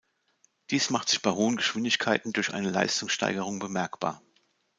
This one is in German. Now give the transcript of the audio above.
Dies macht sich bei hohen Geschwindigkeiten durch eine Leistungssteigerung bemerkbar.